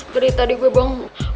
dari tadi gue bangung